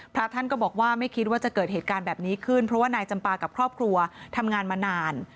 พระท่านก็บอกว่าไม่คิดว่าจะเกิดเหตุการณ์แบบนี้ขึ้นเพราะว่านายจำปากับครอบครัวทำงานมานาน